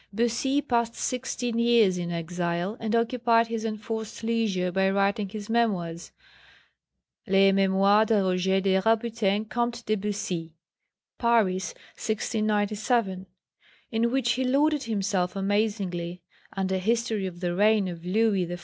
Bussy passed sixteen years in exile, and occupied his enforced leisure by writing his memoirs, Les mémoires de Roger de Rabutin, Comte de Bussi (Paris, 1697), in which he lauded himself amazingly, and a history of the reign of Louis XIV.